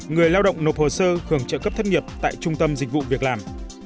người lao động nộp hồ sơ hưởng trợ cấp thất nghiệp tại trung tâm dịch vụ việc làm